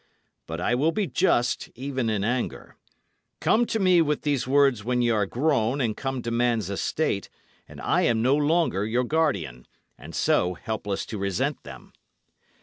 But I will be just even in anger. Come to me with these words when y' are grown and come to man's estate, and I am no longer your guardian, and so helpless to resent them.